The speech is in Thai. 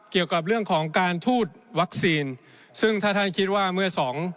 เกี่ยวกับเรื่องของการทูตวัคซีนซึ่งถ้าท่านคิดว่าเมื่อสอง